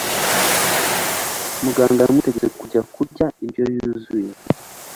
Muganga yamutegetse kujya kurya indyo yuzuye.